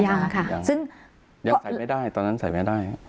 ยังใส่ไม่ได้ตอนนั้นใส่ไม่ได้